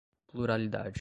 pluralidade